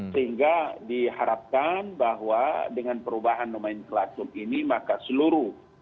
sehingga diharapkan bahwa dengan perubahan nomenklatum ini maka seluruh